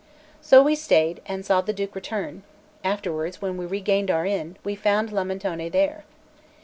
So we stayed, and saw the Duke return; afterwards, when we regained our inn, we found Lamentone there.